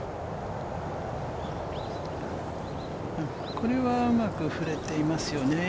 これはうまく振れていますよね。